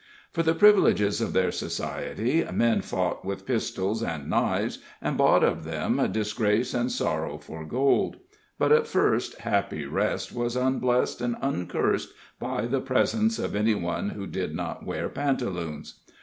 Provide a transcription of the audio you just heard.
For the privileges of their society, men fought with pistols and knives, and bought of them disgrace and sorrow for gold. But at first Happy Rest was unblessed and uncursed by the presence of any one who did not wear pantaloons.